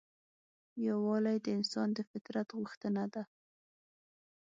یووالی د انسان د فطرت غوښتنه ده.